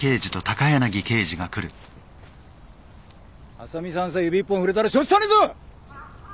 浅見さんさ指一本触れたら承知しねえぞ！